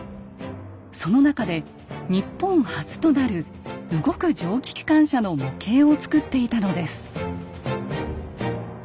その中で日本初となる動く蒸気機関車の模型を作っていたのです。